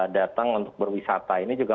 datang untuk berwisata ini juga